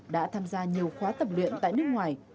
đã tham gia nhiều khóa tập luyện tại nước ngoài